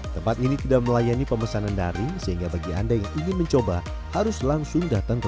tempat ini tidak melayani pemesanan daring sehingga bagi anda yang ingin mencoba harus langsung datang ke